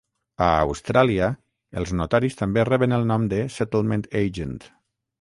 A Austràlia, els notaris també reben el nom de Settlement Agent.